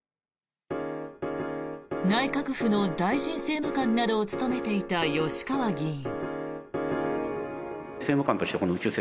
内閣府の大臣政務官などを務めていた吉川議員。